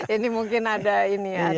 ini mungkin ada ini aja